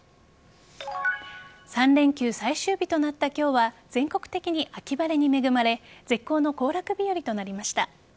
３連休最終日となった今日は全国的に秋晴れに恵まれ絶好の行楽日和となりました。